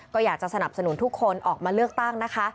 ก็อยากจะสนับสนุนทุกคนออกมาเลือกตั้งนะคะ